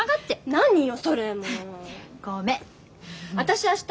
何よ。